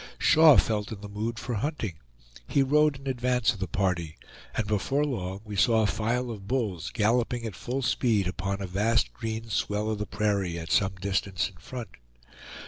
Shaw felt in the mood for hunting; he rode in advance of the party, and before long we saw a file of bulls galloping at full speed upon a vast green swell of the prairie at some distance in front.